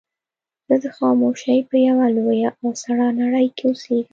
زه د خاموشۍ په يوه لويه او سړه نړۍ کې اوسېږم.